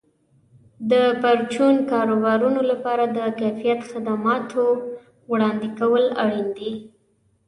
د پرچون کاروبارونو لپاره د کیفیت خدماتو وړاندې کول اړین دي.